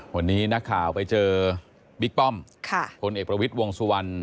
วันนี้นักข่าวไปเจอบิ๊กป้อมพลเอกประวิทย์วงสุวรรณ